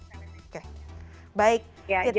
oke baik kita